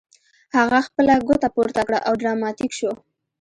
هغه خپله ګوته پورته کړه او ډراماتیک شو